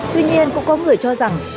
tuy nhiên cũng có người cho rằng